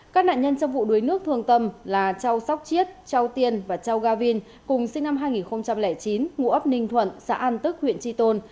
các nạn nhân trong vụ đuối nước thương tâm là châu sóc chiết châu tiên và châu ga vinh cùng sinh năm hai nghìn chín ngụ ấp ninh thuận xã an tức huyện tri tôn